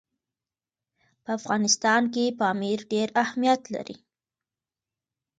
په افغانستان کې پامیر ډېر اهمیت لري.